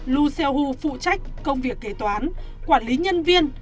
lu xiao hu phụ trách công việc kế toán quản lý nhân viên